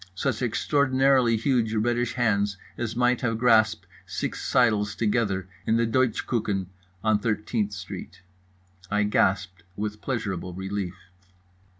Such extraordinarily huge reddish hands as might have grasped six seidels together in the Deutsche Küchen on 13th street. I gasped with pleasurable relief.